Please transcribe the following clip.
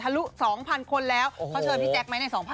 ทะลุ๒๐๐๐คนแล้วเขาเชิญพี่แจ๊กไหมใน๒๐๐๐คนอ่ะ